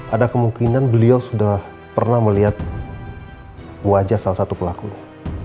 ada kemungkinan beliau sudah pernah melihat wajah salah satu pelakunya